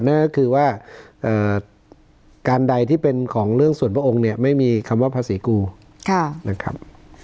นั่นก็คือว่าการใดที่เป็นของเรื่องส่วนพระองค์เนี่ยไม่มีคำว่าภาษีกูนะครับ